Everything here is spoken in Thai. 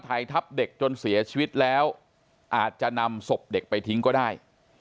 ทับเด็กจนเสียชีวิตแล้วอาจจะนำศพเด็กไปทิ้งก็ได้